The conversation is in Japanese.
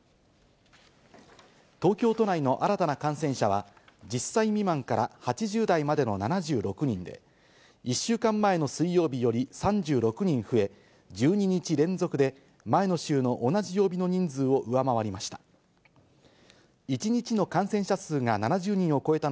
東京都内の新たな感染者は、１０歳未満から８０代までの７６人で、１週間前の水曜日より３６人増え、１２日連続で、前の週の同じ曜日の人数を上回りました。